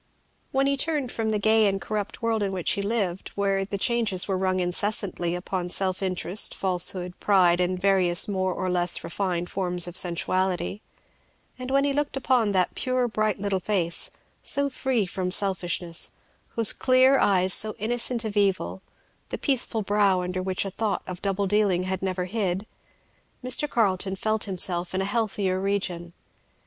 When he turned from the gay and corrupt world in which he lived, where the changes were rung incessantly upon self interest, falsehood, pride, and the various more or less refined forms of sensuality, and when he looked upon that pure bright little face, so free from selfishness, those clear eyes so innocent of evil, the peaceful brow under which a thought of double dealing had never hid, Mr. Carleton felt himself in a healthier region.